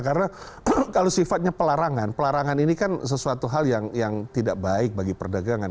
karena kalau sifatnya pelarangan pelarangan ini kan sesuatu hal yang tidak baik bagi perdagangan